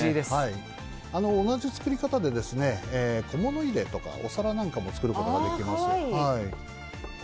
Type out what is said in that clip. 同じ作り方で小物入れとかお皿も作ることができます。